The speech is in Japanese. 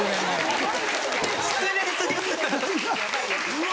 「うわ！」